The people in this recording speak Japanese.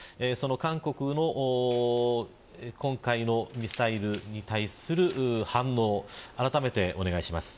韓国の今回のミサイルに対する反応、あらためてお願いします。